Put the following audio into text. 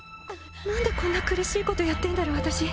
何でこんな苦しいことやってんだろ私。